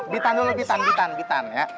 bitan dulu bitan bitan